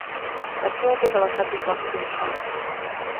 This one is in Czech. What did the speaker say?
Také vydal řadu vlastních alb.